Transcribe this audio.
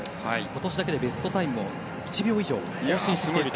今年だけでベストタイムを１秒以上縮めている。